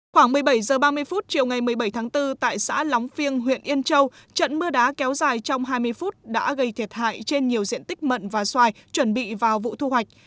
khoảng một mươi bảy h ba mươi chiều ngày một mươi bảy tháng bốn tại xã lóng phiêng huyện yên châu trận mưa đá kéo dài trong hai mươi phút đã gây thiệt hại trên nhiều diện tích mận và xoài chuẩn bị vào vụ thu hoạch